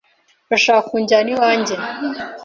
Urashaka kunjyana iwanjye?